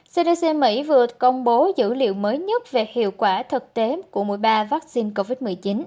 cdc mỹ vừa công bố dữ liệu mới nhất về hiệu quả thực tế của mỗi ba vaccine covid một mươi chín